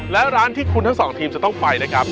และร้านที่คุณทั้งสองทีมจะต้องไปนะครับ